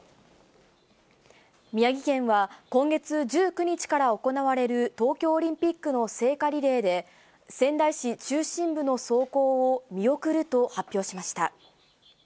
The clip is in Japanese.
宮城県は、今月１９日から行われる東京オリンピックの聖火リレーで、仙台市中心部の走行を見送ると発表しました。